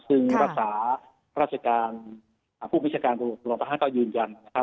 ซึ่งรักษาราชการผู้พิชาการตำรวจประห้าก็ยืนยันนะครับ